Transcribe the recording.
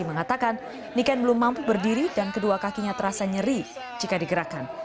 mengatakan niken belum mampu berdiri dan kedua kakinya terasa nyeri jika digerakkan